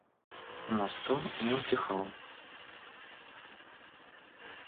Но стон не утихал.